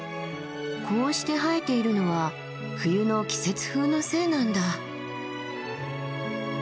こうして生えているのは冬の季節風のせいなんだ。